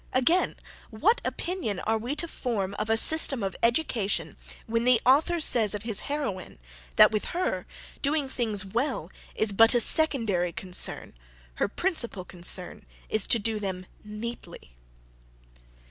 Again. What opinion are we to form of a system of education, when the author says of his heroine, "that with her, doing things well is but a SECONDARY concern; her principal concern is to do them NEATLY."